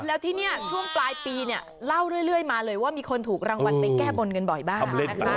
แล้วที่นี่ช่วงปลายปีเนี่ยเล่าเรื่อยมาเลยว่ามีคนถูกรางวัลไปแก้บนกันบ่อยบ้างนะคะ